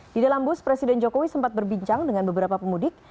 di dalam bus presiden jokowi sempat berbincang dengan beberapa pemudik